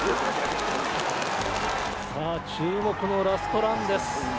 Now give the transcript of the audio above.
注目のラストランです。